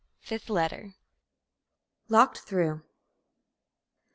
FIFTH LETTER. LOCKED THROUGH.